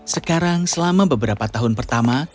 sekarang selama beberapa hari